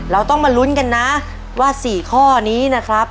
เราต้องมาลุ้นกันนะว่า๔ข้อนี้นะครับ